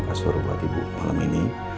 kasur buat ibu malam ini